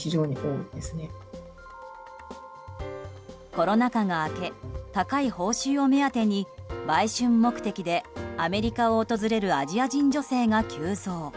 コロナ禍が明け高い報酬を目当てに、売春目的でアメリカを訪れるアジア人女性が急増。